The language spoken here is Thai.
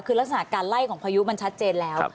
คือลักษณะการไล่ของพายุมันชัดเจนแล้ว